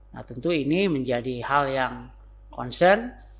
nah tentu ini menjadi hal yang concern